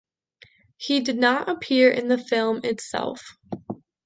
He did not appear in the film itself.